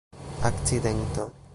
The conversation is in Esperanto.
akcidento